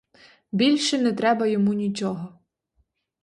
Більше не треба йому нічого.